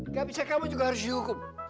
gak bisa kamu juga harus dihukum